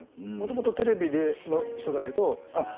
もともとテレビの人だけど。